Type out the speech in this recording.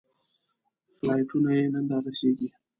فلایټونه یې نن رارسېږي.